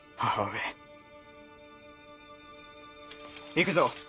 行くぞ。